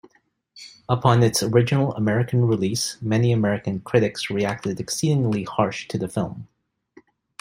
Upon its original American release many American critics reacted exceedingly harsh to the film.